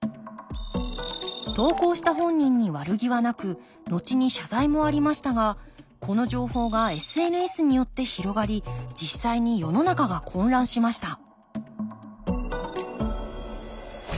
投稿した本人に悪気はなくのちに謝罪もありましたがこの情報がＳＮＳによって広がり実際に世の中が混乱しました